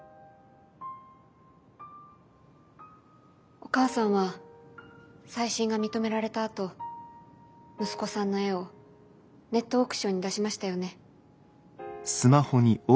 お母さんは再審が認められたあと息子さんの絵をネットオークションに出しましたよね。